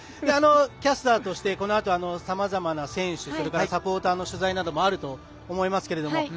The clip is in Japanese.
キャスターとしてこのあと、さまざまな選手サポーターの取材などもあると思いますけれども。